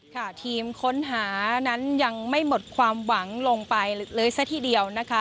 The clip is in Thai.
ค่ะทีมค้นหานั้นยังไม่หมดความหวังลงไปเลยซะทีเดียวนะคะ